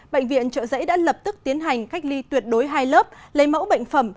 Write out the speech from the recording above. bệnh viện trợ giấy đã lập tức tiến hành cách ly tuyệt đối hai lớp lấy mẫu bệnh phẩm